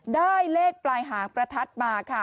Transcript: ได้เลขปลายหางประทัดมาค่ะ